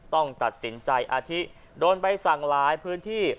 ต้องตัดสินใจอาทิโดนใบสั่งหลายพื้นที่